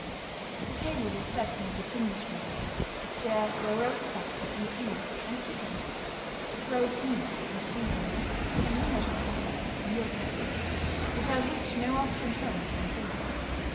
The table was set in the Gesindestube; there were roast ducks, and geese and chickens, roast meats and stewed meats, and Wienerschnitzel (veal cutlet), without which no Austrian home is complete.